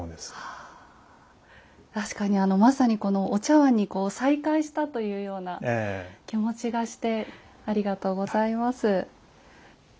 確かにあのまさにこのお茶碗にこう再会したというような気持ちがしてありがとうございます。